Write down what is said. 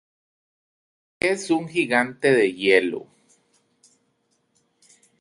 Es un Gigante de Hielo.